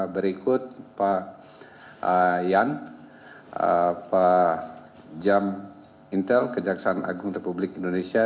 berikut pak yan pak jam intel kejaksaan agung republik indonesia